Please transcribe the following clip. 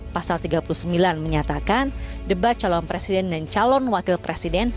pasal tiga puluh sembilan menyatakan debat calon presiden dan calon wakil presiden